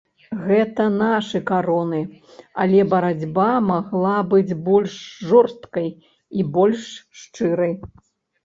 Гэта нашы кароны, але барацьба магла быць больш жорсткай і больш шчырай.